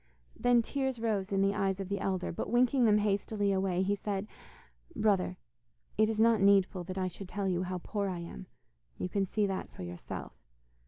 Then tears rose in the eyes of the elder, but winking them hastily away, he said: 'Brother, it is not needful that I should tell you how poor I am; you can see that for yourself.